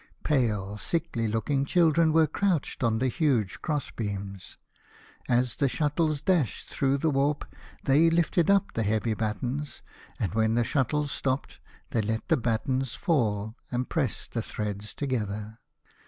Pale, sickly looking children were crouched on the huge crossbeams. As the shuttles dashed through the warp they lifted up the heavy battens, and when the shuttles stopped they let the battens fall and pressed the threads together.